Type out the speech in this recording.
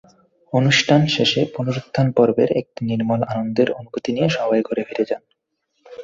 অনুষ্ঠান শেষে পুনরুত্থান পর্বের একটি নির্মল আনন্দের অনুভূতি নিয়ে সবাই ঘরে ফিরে যান।